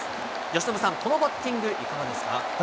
由伸さん、このバッティング、いかがですか？